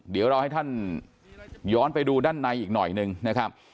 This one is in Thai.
เดี๋ยวเราให้ท่านย้อนไปดูด้านในอีกหน่อยหนึ่งนะครับ